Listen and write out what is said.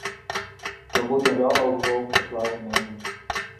We moeten weloverwogen besluiten nemen.